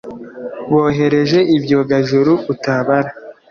bohereza ibyogajuru utabara